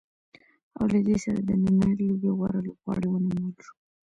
او له دې سره د نننۍ لوبې غوره لوبغاړی ونومول شو.